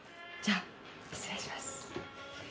「じゃあ失礼します」